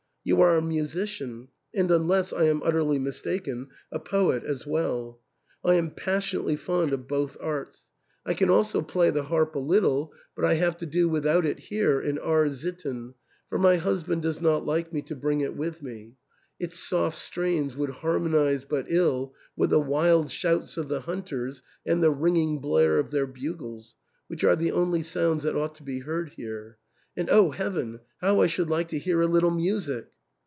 You are a mu sician, and, unless I am utterly mistaken, a poet as well I am passionately fond of both arts. I can also THE ENTAIL. 241 play the harp a little, but I have to do without it here in R — sitten, for my husband does not like me to bring it with me. Its soft strains would harmonize but ill with the wild shouts of the hunters and the ringing blare of their bugles, which are the only sounds that ought to be heard here. And O heaven ! how I should, like to hear a little music